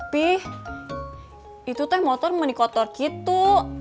pih itu teh motor menikotor gitu